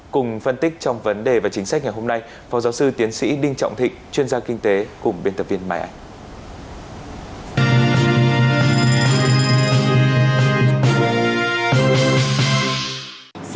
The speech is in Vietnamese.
cùng phân tích trong vấn đề và chính sách ngày hôm nay phó giáo sư tiến sĩ đinh trọng thịnh chuyên gia kinh tế cùng biên tập viên mai ạ